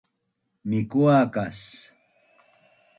Mikua kas?